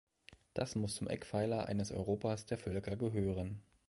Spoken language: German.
Das muss zum Eckpfeiler eines Europas der Völker gehören.